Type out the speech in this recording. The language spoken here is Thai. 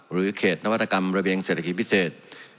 เขตนวัตกรรมระเบียงเศรษฐกิจพิเศษ